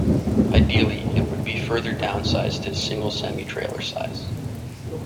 Ideally it would be further downsized to a single semi trailer size.